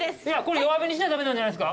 弱火にしな駄目なんじゃないですか？